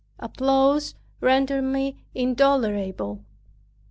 Applause rendered me intolerable.